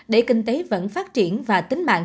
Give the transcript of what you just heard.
để kinh tế vẫn phát triển và tính mạng